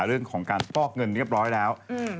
เรื่องของการฟอกเงินเรียบร้อยแล้ว